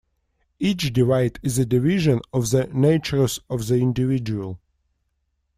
Each divide is a division of the natures of the individual.